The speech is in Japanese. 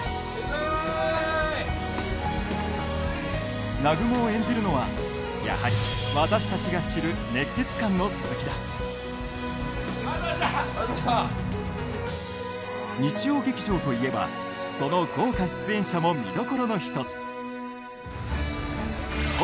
はい南雲を演じるのはやはり私たちが知る熱血漢の鈴木だ・ありがとうございましたありがとうございました日曜劇場といえばその豪華出演者も見どころの一つ